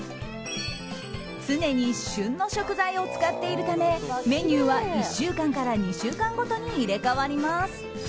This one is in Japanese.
常に旬の食材を使っているためメニューは１週間から２週間ごとに入れ替わります。